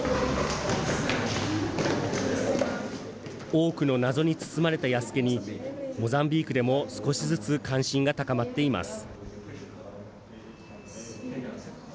多くの謎に包まれた弥助に、モザンビークでも少しずつ関心が高まっています。